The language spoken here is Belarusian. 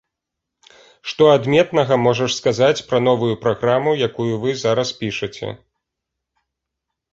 Што адметнага можаш сказаць пра новую праграму, якую вы зараз пішаце?